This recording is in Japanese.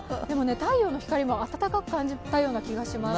太陽の光も暖かく感じたような気がします。